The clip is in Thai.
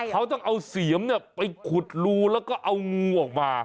เขาต้องเอาเสียมไปขุดรูแล้วก็เอางูออกมา